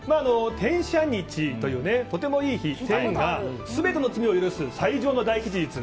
天赦日というとてもいい日全ての罪を許す最上の大吉日。